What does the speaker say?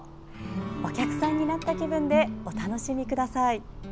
お客さんになった気分でお楽しみください。